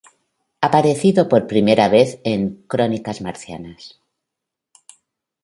Aparecido por primera vez en "Crónicas marcianas".